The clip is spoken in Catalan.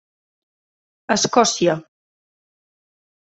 Escòcia.